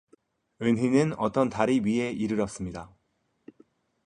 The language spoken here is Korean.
은희는 어떤 다리 위에 이르렀습니다.